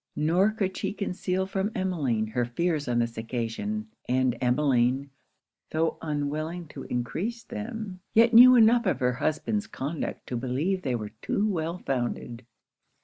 Nor could she conceal from Emmeline her fears on this occasion; and Emmeline, tho' unwilling to encrease them, yet knew enough of her husband's conduct to believe they were too well founded.